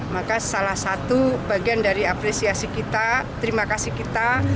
maka salah satu bagian dari apresiasi kita terima kasih kita